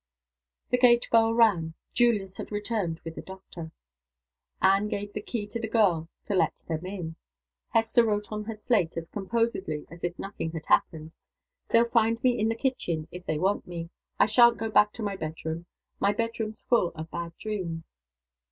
The gate bell rang. Julius had returned with the doctor. Anne gave the key to the girl to let them in. Hester wrote on her slate, as composedly as if nothing had happened: "They'll find me in the kitchen, if they want me. I sha'n't go back to my bedroom. My bedroom's full of bad dreams."